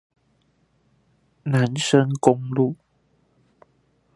南深公路